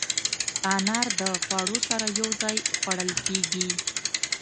انار د خوړو سره یو ځای خوړل کېږي.